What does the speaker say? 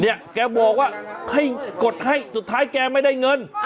เนี่ยแกบอกว่ากดให้สุดท้ายแกไม่ได้เงิน